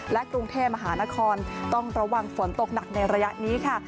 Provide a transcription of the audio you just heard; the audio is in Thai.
และกรุงเทพมหานครต้องระวังฝนตกหนักในระยะนี้ค่ะ